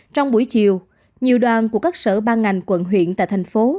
trong buổi chiều nhiều đoàn của các sở ban ngành quận huyện tại thành phố